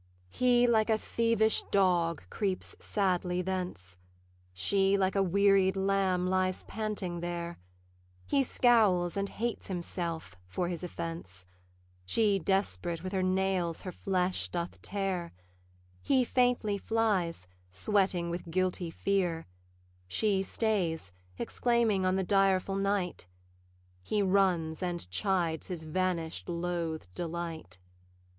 He like a thievish dog creeps sadly thence; She like a wearied lamb lies panting there; He scowls and hates himself for his offence; She, desperate, with her nails her flesh doth tear; He faintly flies, sweating with guilty fear; She stays, exclaiming on the direful night; He runs, and chides his vanish'd, loathed delight.